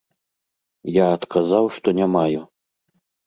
Я адказаў, што не маю.